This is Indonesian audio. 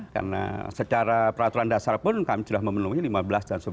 karena secara peraturan dasar pun kami sudah memenuhi lima belas dan sebelas